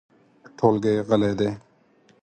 ټولګی غلی دی .